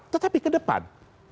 tetapi ke depan